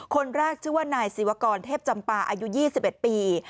คนแรกชื่อว่านายศิวกรเทพจำปาอายุ๒๑ปี